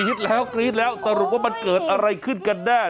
แล้วกรี๊ดแล้วสรุปว่ามันเกิดอะไรขึ้นกันแน่